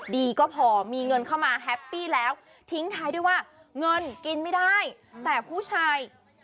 ดีก็พอมีเงินเข้ามาแฮปปี้แล้วทิ้งท้ายด้วยว่าเงินกินไม่ได้แต่ผู้ชาย